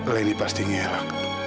leni pasti ngelak